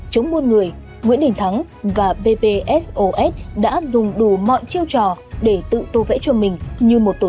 chống buôn người nguyễn đình thắng và bpsos đã dùng đủ mọi chiêu trò để tự tô vẽ cho mình như một tổ chức